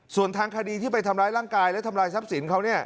ส่วนทางคดีที่ไปทำร้ายร่างกายและทำลายทรัพย์สินเขา